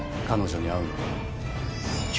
彼女に会うのが。